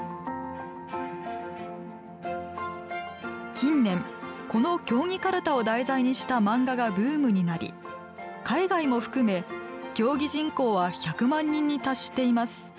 近年、この競技かるたを題材にした漫画がブームになり海外も含め、競技人口は１００万人に達しています。